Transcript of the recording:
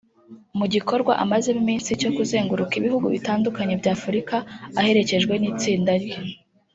mu gikorwa amazemo iminsi cyo kuzenguruka ibihugu bitandukanye bya Afurika aherekejwe n’itsinda rye